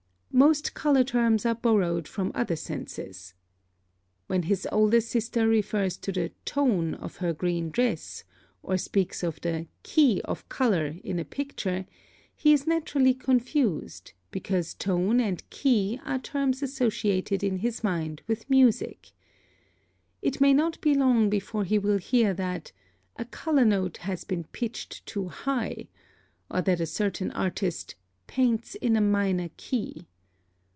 +Most color terms are borrowed from other senses.+ (6) When his older sister refers to the "tone" of her green dress, or speaks of the "key of color" in a picture, he is naturally confused, because tone and key are terms associated in his mind with music. It may not be long before he will hear that "a color note has been pitched too high," or that a certain artist "paints in a minor key."